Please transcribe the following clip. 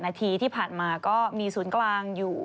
นาทีที่ผ่านมาก็มีศูนย์กลางอยู่